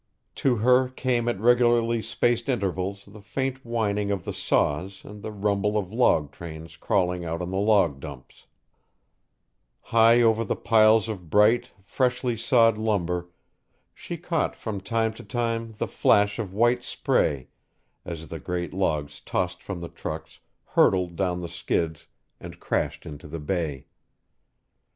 To her came at regularly spaced intervals the faint whining of the saws and the rumble of log trains crawling out on the log dumps; high over the piles of bright, freshly sawed lumber she caught from time to time the flash of white spray as the great logs tossed from the trucks, hurtled down the skids, and crashed into the Bay.